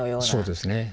そうですね。